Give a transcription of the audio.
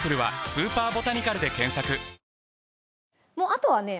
あとはね